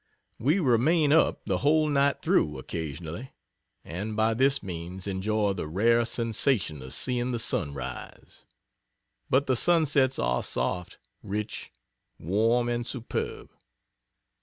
We remain up the whole night through occasionally, and by this means enjoy the rare sensation of seeing the sun rise. But the sunsets are soft, rich, warm and superb!